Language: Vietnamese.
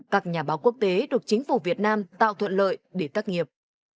các nhà báo quốc tế được chính phủ việt nam tạo thuận lợi để tác nghiệp